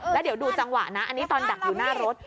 แล้วเดี๋ยวดูจังหวะนะอันนี้ตอนดักอยู่หน้ารถ